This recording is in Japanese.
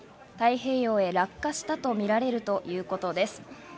太平洋へ落下したとみられるということです。